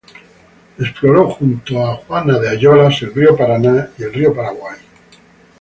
Exploró junto a Juan de Ayolas el río Paraná y el río Paraguay.